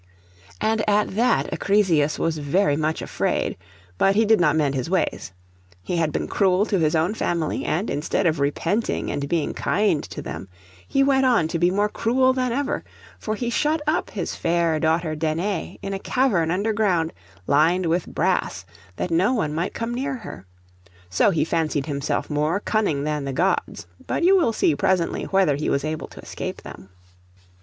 And at that Acrisius was very much afraid; but he did not mend his ways. He had been cruel to his own family, and, instead of repenting and being kind to them, he went on to be more cruel than ever: for he shut up his fair daughter Danae in a cavern underground, lined with brass, that no one might come near her. So he fancied himself more cunning than the Gods: but you will see presently whether he was able to escape them.